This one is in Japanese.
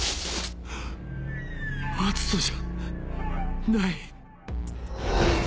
篤斗じゃない。